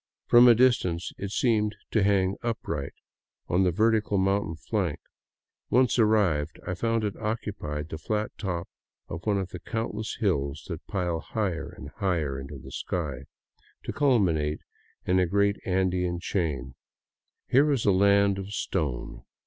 From a distance, it seemed to hang upright on the vertical mountain flank; once arrived, I found it occupied the flat top of one of the countless hills that pile higher and higher into the sky, to culminate in a great Andean chain. Here was a land of stone.